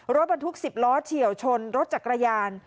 รถบรรทุก๑๐ล้อเฉียวชนรถจักรยาน